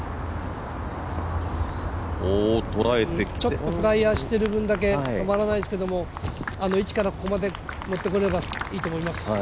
ちょっとフライヤーしてる分だけ止まらないですけどあの位置からここまで持ってこれればいいと思います。